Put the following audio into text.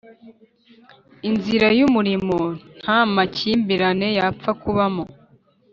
inzira yumurimo ntamakimbirane yapfa kubamo